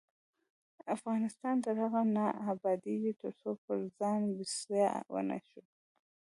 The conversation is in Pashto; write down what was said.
افغانستان تر هغو نه ابادیږي، ترڅو پر ځان بسیا نشو.